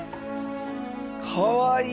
かわいい。